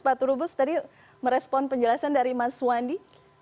pak turubus tadi merespon penjelasan dari mas wandi